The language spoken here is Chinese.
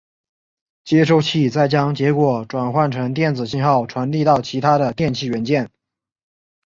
接收器再将结果转换成电子信号传递到其它的电气元件。